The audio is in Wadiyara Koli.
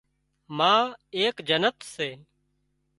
ما ايڪ جنت سي